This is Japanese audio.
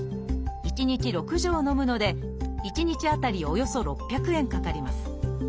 １日６錠のむので１日当たりおよそ６００円かかります。